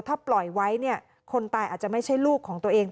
ถ้าปล่อยไว้เนี่ยคนตายอาจจะไม่ใช่ลูกของตัวเอง